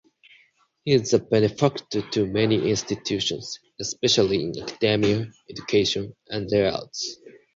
He is a benefactor to many institutions, especially in academia, education and the arts.